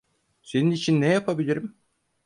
Senin için ne yapabilirim?